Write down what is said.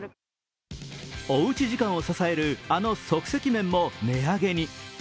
おうち時間を支えるあの即席麺も値上げに。